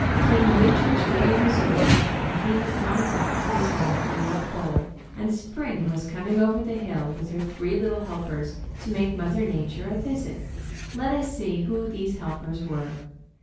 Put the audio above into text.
King Winter's reign was over and he had gone back to his home at the North Pole; and Spring was coming over the hill with her three little helpers to make Mother Nature a visit. Let us see who these helpers were.